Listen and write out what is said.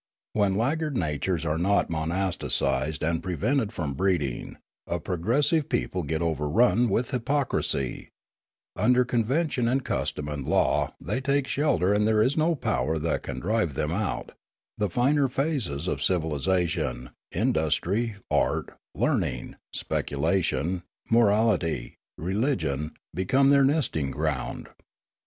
When laggard natures are not monasticised and pre vented from breeding, a progressive people get overrun with hypocrisy; under convention and custom and law they take shelter and there is no power that can drive them out; the finer phases of civilisation, industry, art, learning, speculation, morality, religion, become their nesting ground.